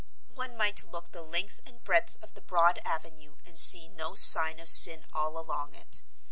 One might look the length and breadth of the broad avenue and see no sign of sin all along it.